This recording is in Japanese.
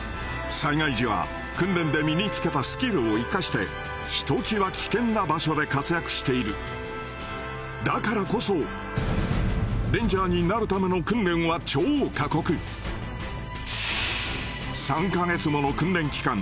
災害時は訓練で身につけたスキルを生かしてひときわ危険な場所で活躍しているだからこそレンジャーになるための訓練は超過酷３か月もの訓練期間